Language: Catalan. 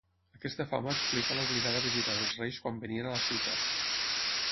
Aquesta fama explica l'obligada visita dels reis quan venien a la ciutat.